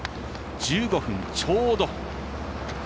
１５分ちょうど。